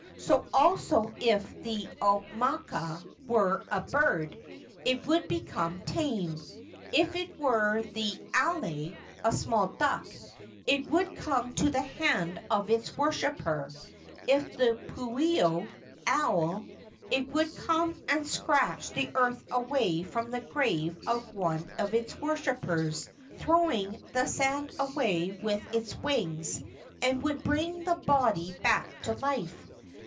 So also if the au¬ makua were a bird, it would become tame. If it were the alae (a small duck), it would come to the hand of its wor¬ shipper; if the pueo (owl), it would come and scratch the earth away from the grave of one of its worshippers, throwing the sand away with its wings, and would bring the body back to life.